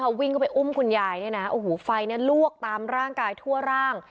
พอวิ่งเข้าไปอุ้มคุณยายเนี่ยนะโอ้โหไฟเนี่ยลวกตามร่างกายทั่วร่าง